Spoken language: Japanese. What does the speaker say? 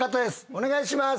お願いします。